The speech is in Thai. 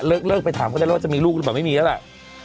เลิกไปถามก็ได้แล้วว่าจะมีลูกหรือเปล่าไม่มีแล้วล่ะ